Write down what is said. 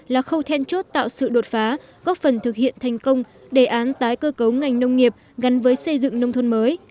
là khâu then chốt tạo sự đột phá góp phần thực hiện thành công đề án tái cơ cấu ngành nông nghiệp gắn với xây dựng nông thôn mới